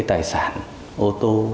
tài sản ô tô